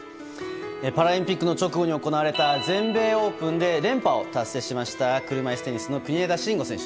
パラリンピックの直後に行われた全米オープンで連覇を達成しました車いすテニスの国枝慎吾選手。